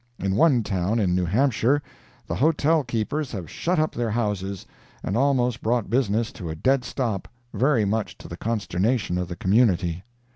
In one town in New Hampshire, the hotel keepers have shut up their houses, and almost brought business to a dead stop, very much to the consternation of the community.